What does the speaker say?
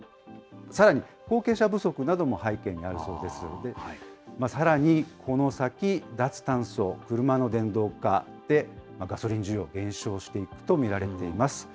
さらに、後継者不足なども背景にあるそうですので、さらにこの先、脱炭素、車の電動化でガソリン需要、減少していくと見られています。